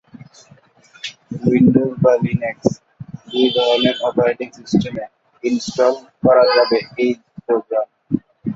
Windows বা Linux দুই ধরনের অপারেটিং সিস্টেমে ইনস্টল করা যাবে এই প্রোগ্রাম।